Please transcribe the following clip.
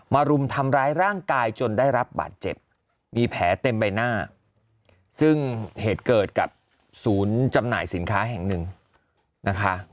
รุมทำร้ายร่างกายจนได้รับบาดเจ็บมีแผลเต็มใบหน้าซึ่งเหตุเกิดกับศูนย์จำหน่ายสินค้าแห่งหนึ่งนะคะ